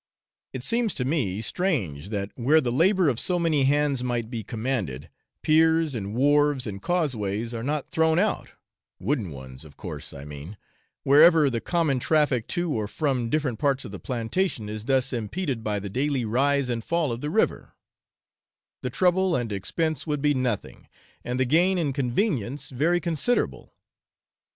It seems to me strange that where the labour of so many hands might be commanded, piers, and wharves, and causeways, are not thrown out (wooden ones, of course, I mean), wherever the common traffic to or from different parts of the plantation is thus impeded by the daily rise and fall of the river; the trouble and expense would be nothing, and the gain in convenience very considerable.